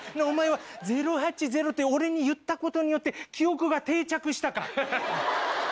お前は「０８０」って俺に言ったことによって記憶が定着したか？